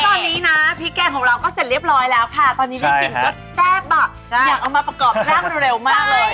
โอเคแล้วตอนนี้นะพริกแกงของเราก็เสร็จเรียบร้อยแล้วค่ะตอนนี้ดินผิวก็แทบอะอยากเอามาประกอบแพร่งมาเร็วมากเลย